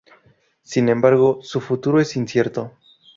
Sin embargo, su futuro es incierto.